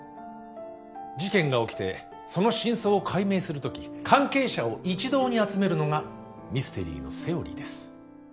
事件が起きてその真相を解明するとき関係者を一堂に集めるのがミステリーのセオリーです